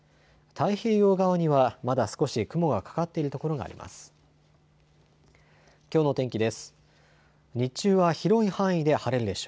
太平洋側にはまだ少し雲がかかっている所があります。